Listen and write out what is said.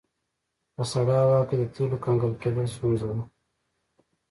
په سړه هوا کې د تیلو کنګل کیدل ستونزه ده